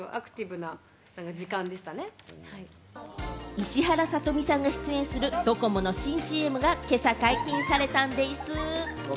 石原さとみさんが出演するドコモの新ＣＭが今朝、解禁されたんでぃす！